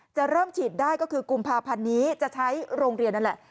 จะเริ่มฉีดได้ก็คือกุมภาพันธ์นี้จะใช้โรงเรียนนั่นแหละ